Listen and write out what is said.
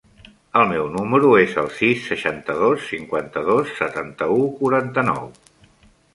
El meu número es el sis, seixanta-dos, cinquanta-dos, setanta-u, quaranta-nou.